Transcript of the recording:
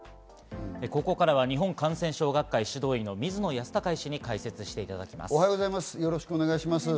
ここからは日本感染症学会・指導医の水野泰孝医師に解説していただきます。